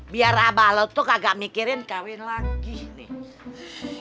biar abah lo tuh kagak mikirin kawin lagi nih